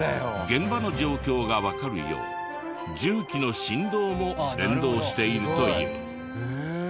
現場の状況がわかるよう重機の振動も連動しているという。